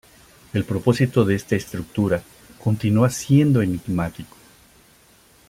El propósito de esta estructura continúa siendo enigmático.